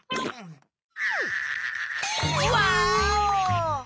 ワーオ！